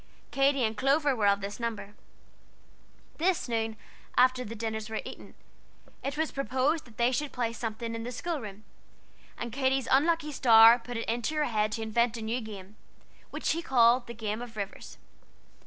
Katy and Clover were of this number. This noon, after the dinners were eaten, it was proposed that they should play something in the school room, and Katy's unlucky star put it into her head to invent a new game, which she called the Game of Rivers.